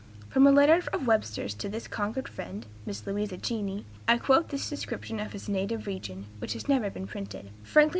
From a letter of Webster's to this Concord friend (Mrs. Louisa Cheney) I quote this description of his native region, which has never been printed: "FRANKLIN, N.